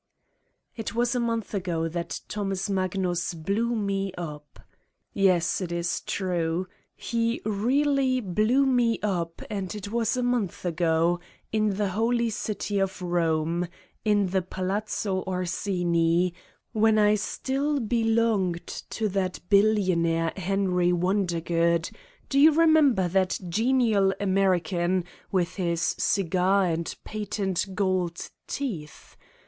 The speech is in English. It was a month ago that Thomas Magnus blew me up. Yes, it is true. He really blew me up and it was a month ago, in the holy City of Borne, in the Palazzo Orsini, when I still belonged to the 211 Satan's Diary billionaire Henry Wondergood do you remember that genial American, with his cigar and patent gold teeth?